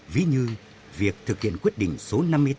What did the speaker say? ví như việc thực hiện quyết định số năm mươi tám